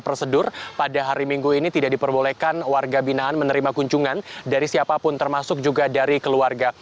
prosedur pada hari minggu ini tidak diperbolehkan warga binaan menerima kunjungan dari siapapun termasuk juga dari keluarga